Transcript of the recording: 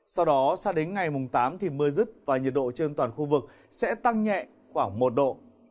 sau đó sang đến ngày mùng tám thì mưa rứt và nhiệt độ trên toàn khu vực sẽ tăng nhẹ khoảng một độ